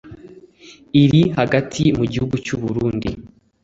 iri hagati mu gihugu cy’u Burundi